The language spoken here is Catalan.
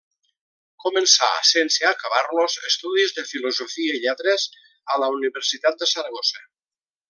Començà -sense acabar-los- estudis de Filosofia i Lletres a la Universitat de Saragossa.